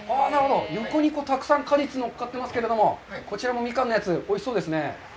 横にたくさん果実が乗っかってますけど、こちらのミカンのやつ、おいしそうですね。